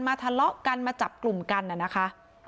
ทะเลาะกันมาจับกลุ่มกันน่ะนะคะ